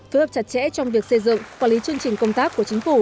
phối hợp chặt chẽ trong việc xây dựng quản lý chương trình công tác của chính phủ